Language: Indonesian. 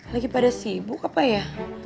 lagi pada sibuk apa ya